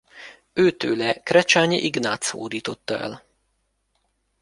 Ő tőle Krecsányi Ignác hódította el.